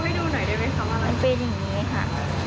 มันเป็นอย่างนี้ค่ะ